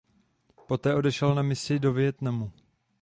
Poté odešel na misii do Vietnamu.